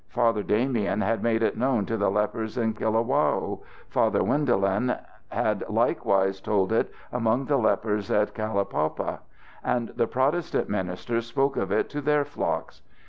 Father Damien had made it known to the lepers in Kalawao, Father Wendolen had likewise told it among the lepers in Kalapaupa, and the Protestant ministers spoke of it to their flocks.